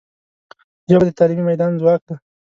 ژبه د تعلیمي میدان ځواک ده